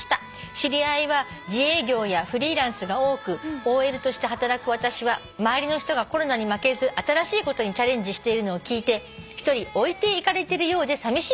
「知り合いは自営業やフリーランスが多くＯＬとして働く私は周りの人がコロナに負けず新しいことにチャレンジしているのを聞いて一人置いていかれてるようでさみしい気持ちになりました」